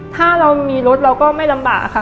ถ้าเรามีรถเราก็ไม่ลำบากค่ะ